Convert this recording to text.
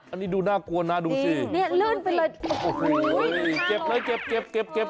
อันนี้ดูน่ากลัวนะดูสิเนี่ยลื่นไปเลยโอ้โหเก็บเลยเก็บเก็บ